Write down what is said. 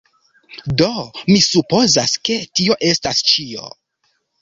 Do, mi supozas ke tio estas ĉio.